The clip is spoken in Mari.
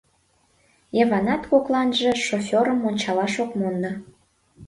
— Йыванат кокланже шофёрым ончалаш ок мондо.